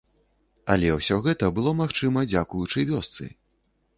Але ўсё гэта было магчыма дзякуючы вёсцы.